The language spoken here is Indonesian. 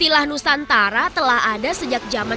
wilayah nusantara mencakup daerah daerah yang sekarang merupakan